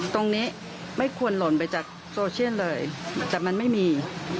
ไม่ควรหล่นไปจากโซเชียลเลยแต่มันไม่มี